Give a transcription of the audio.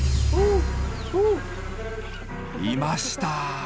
いました。